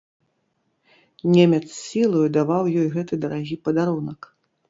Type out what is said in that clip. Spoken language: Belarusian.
Немец сілаю даваў ёй гэты дарагі падарунак.